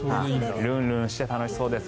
ルンルンして楽しそうです。